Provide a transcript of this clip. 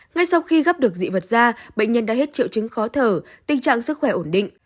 ngay sau khi gấp được dị vật da bệnh nhân đã hết triệu chứng khó thở tình trạng sức khỏe ổn định